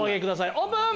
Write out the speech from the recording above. オープン！